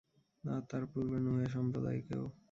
আর তাদের পূর্বে নুহের সম্প্রদায়কেও।